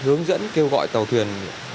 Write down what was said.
thông tin hướng dẫn kêu gọi tàu thuyền